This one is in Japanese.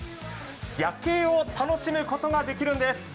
夜景を楽しむことができるんです。